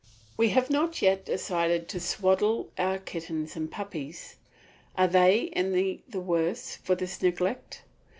We have not yet decided to swaddle our kittens and puppies; are they any the worse for this neglect?